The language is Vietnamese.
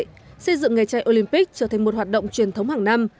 hôm nay xây dựng ngày chạy olympic trở thành một hoạt động truyền thống hàng năm